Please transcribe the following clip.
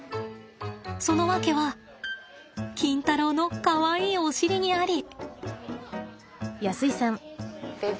その訳はキンタロウのかわいいお尻にあり。